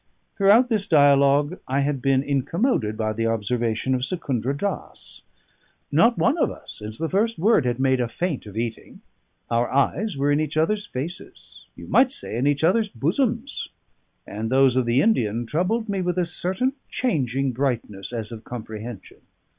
Throughout this dialogue I had been incommoded by the observation of Secundra Dass. Not one of us, since the first word, had made a feint of eating: our eyes were in each other's faces you might say, in each other's bosoms; and those of the Indian troubled me with a certain changing brightness, as of comprehension.